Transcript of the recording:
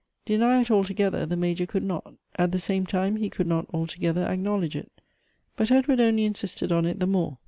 Deny it altogether, the Major could not ; at the same time, he could not altogether acknowledge it. But Edward only insisted on it the more.